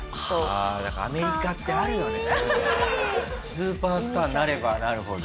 スーパースターになればなるほど。